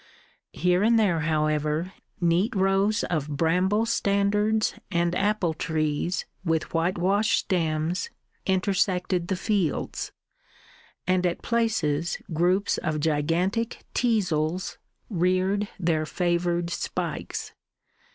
Here and there, however, neat rows of bramble standards and apple trees with whitewashed stems, intersected the fields, and at places groups of gigantic teazles reared their favoured spikes.